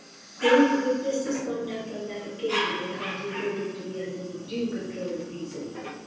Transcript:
They who witnessed his conduct on that occasion would hardly hold him to be under the due control of reason.